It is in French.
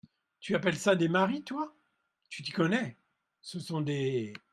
Tu appelles ça des maris, toi !… tu t’y connais… ce sont des…